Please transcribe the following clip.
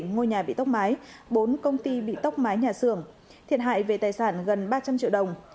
bảy ngôi nhà bị tốc mái bốn công ty bị tốc mái nhà xưởng thiệt hại về tài sản gần ba trăm linh triệu đồng